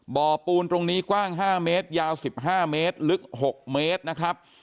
บ่อปูนตรงนี้กว้าง๕เมตรยาว๑๕เมตรลึก๖เมตรนะครับ